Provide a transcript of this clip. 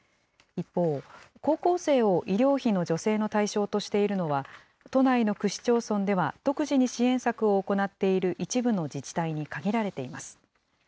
一方、高校生を医療費の助成の対象としているのは、都内の区市町村では独自に支援策を行っている一部の自治体に限られています。